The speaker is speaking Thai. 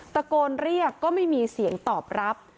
ตะโกนเรียกก็ไม่มีเสียงตอบรับ